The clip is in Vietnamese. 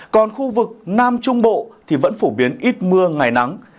còn khu vực nam trung bộ thì vẫn phổ biến ít mưa ngày nắng